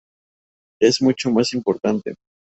Es mucho más importante.